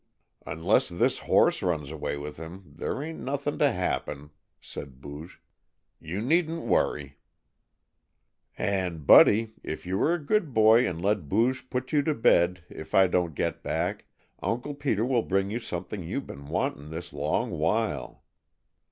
"Unless this horse runs away with him there ain't nothin' to happen," said Booge. "You needn't worry." "And, Buddy, if you are a good boy and let Booge put you to bed, if I don't get back, Uncle Peter will bring you something you've been wanting this long while."